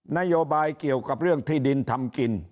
นโยบายเกี่ยวกับเรื่องที่ดินทำกิน